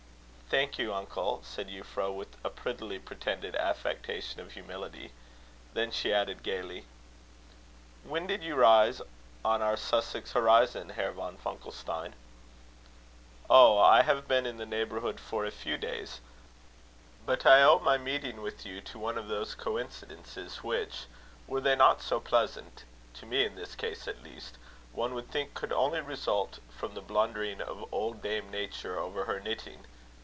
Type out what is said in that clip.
"Thank you, uncle," said Euphra, with a prettily pretended affectation of humility. Then she added gaily: "When did you rise on our Sussex horizon, Herr von Funkelstein?" "Oh! I have been in the neighbourhood for a few days; but I owe my meeting with you to one of those coincidences which, were they not so pleasant to me in this case, at least one would think could only result from the blundering of old Dame Nature over her knitting.